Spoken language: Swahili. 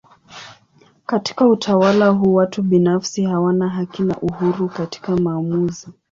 Katika utawala huu watu binafsi hawana haki na uhuru katika maamuzi.